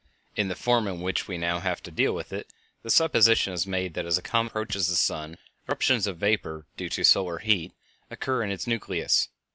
In the form in which we now have to deal with it, the supposition is made that as a comet approaches the sun eruptions of vapor, due to the solar heat, occur in its nucleus.